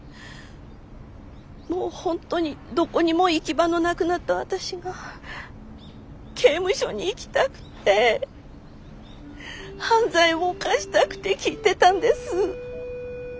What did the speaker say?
もう本当にどこにも行き場のなくなった私が刑務所に行きたくて犯罪を犯したくて聞いてたんです。